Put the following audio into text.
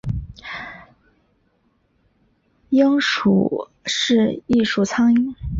蝇属是一属苍蝇。